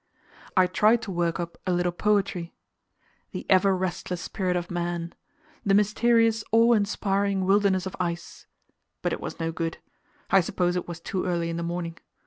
I tried to work up a little poetry "the ever restless spirit of man" "the mysterious, awe inspiring wilderness of ice" but it was no good; I suppose it was too early in the morning.